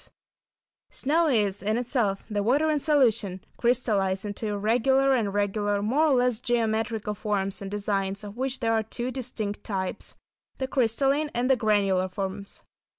Exquisite jewelled type] Snow is, in itself, the water in solution, crystallised into irregular and regular, more or less geometrical forms and designs, of which there are two distinct types; the crystalline and the granular forms.